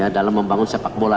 dalam membangun sepak bola